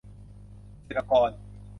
ศิรกร